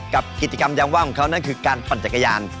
กับกิจกรรมยามว่างของเขานั่นคือการปั่นจักรยาน